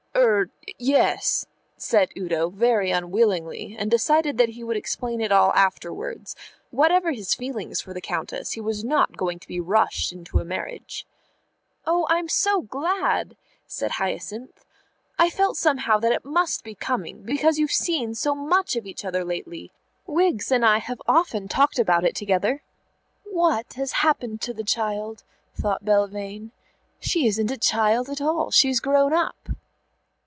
"Er yes," said Udo, very unwillingly, and deciding he would explain it all afterwards. Whatever his feelings for the Countess, he was not going to be rushed into a marriage. "Oh, I'm so glad," said Hyacinth. "I felt somehow that it must be coming, because you've seen so much of each other lately. Wiggs and I have often talked about it together." ("What has happened to the child?" thought Belvane. "She isn't a child at all, she's grown up.")